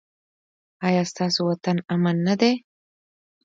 ایا ستاسو وطن امن نه دی؟